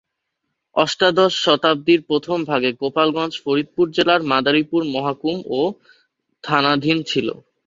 অষ্টাদশ শতাব্দীর প্রথম ভাগে গোপালগঞ্জ ফরিদপুর জেলার মাদারীপুর মহকুমা ও থানাধীন ছিল।